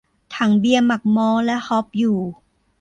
ถังเบียร์หมักมอลต์และฮอปอยู่